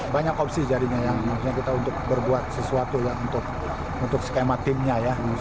banyak opsi jadinya yang maksudnya kita untuk berbuat sesuatu untuk skema timnya ya